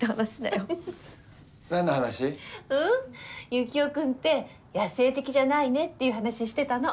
ユキオ君って野性的じゃないねっていう話してたの。